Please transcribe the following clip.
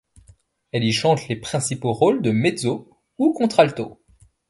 Elle y chante les principaux rôles de mezzo ou contralto.